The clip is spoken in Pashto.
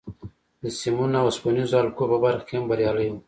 د سیمونو او اوسپنیزو حلقو په برخه کې هم بریالی و